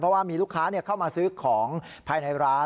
เพราะว่ามีลูกค้าเข้ามาซื้อของภายในร้าน